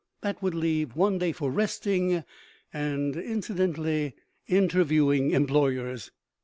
That would leave one day for Resting, and (incidentally) interviewing employers.